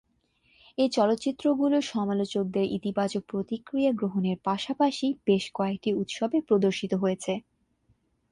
এই চলচ্চিত্রগুলো সমালোচকদের ইতিবাচক প্রতিক্রিয়া গ্রহণের পাশাপাশি বেশ কয়েকটি উৎসবে প্রদর্শিত হয়েছে।